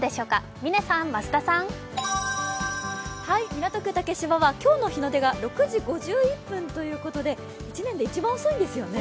港区竹芝は今日の日の出が６時５１分ということで１年で一番遅いんですよね。